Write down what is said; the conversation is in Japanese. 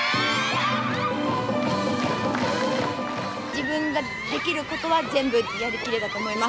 自分ができることは全部やりきれたと思います。